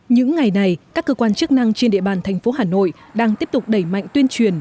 những ngày này các cơ quan chức năng trên địa bàn thành phố hà nội đang tiếp tục đẩy mạnh tuyên truyền